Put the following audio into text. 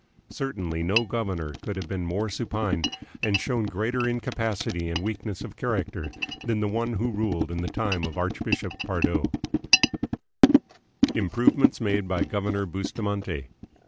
Certainly no governor could have' been more supine, and shown greater incapacity and weakness of character, than the one who ruled in the tune of Archbishop Pardo. Improvements Made by Governor Bustamante.